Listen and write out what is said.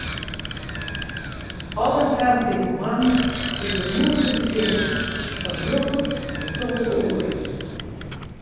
Alle saterdeitemoarnen is de mûne te besjen fan njoggen oant tolve oere.